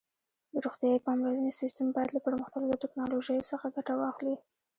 د روغتیايي پاملرنې سیسټم باید له پرمختللو ټکنالوژیو څخه ګټه واخلي.